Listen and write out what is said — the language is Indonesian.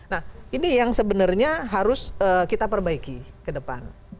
nah ini yang sebenarnya harus kita perbaiki ke depan